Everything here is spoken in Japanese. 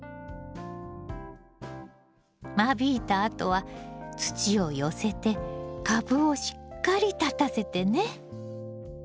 間引いたあとは土を寄せて株をしっかり立たせてね。